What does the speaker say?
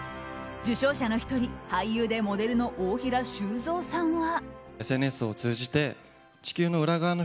受賞者の１人俳優でモデルの大平修蔵さんは。